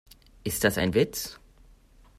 Ist das ein Witz?